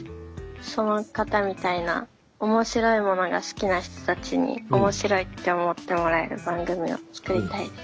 その方みたいな面白いものが好きな人たちに「面白い」って思ってもらえる番組を作りたいです。